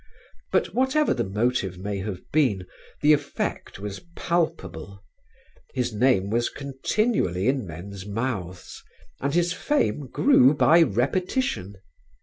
But whatever the motive may have been the effect was palpable: his name was continually in men's mouths, and his fame grew by repetition.